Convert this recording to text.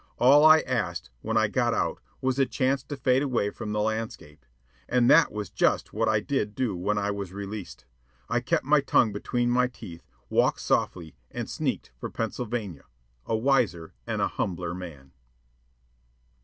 All I asked, when I got out, was a chance to fade away from the landscape. And that was just what I did do when I was released. I kept my tongue between my teeth, walked softly, and sneaked for Pennsylvania, a wiser and a humbler man.